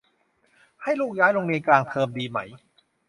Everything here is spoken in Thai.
ให้ลูกย้ายโรงเรียนกลางเทอมดีไหม